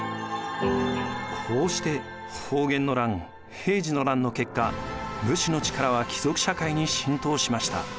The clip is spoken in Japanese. こうして保元の乱・平治の乱の結果武士の力は貴族社会に浸透しました。